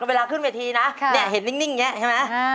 เวลาขึ้นเวทีนะเห็นนิ่งอย่างนี้ใช่ไหม